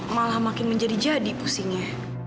malah makin menjadi jadi pusingnya